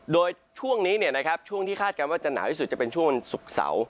โดยช่วงนี้ช่วงที่คาดการณ์ว่าจะหนาวที่สุดจะเป็นช่วงวันศุกร์เสาร์